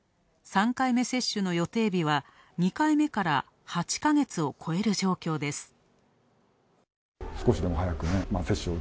３回目接種の予定日は２回目から８か月を超える状況です。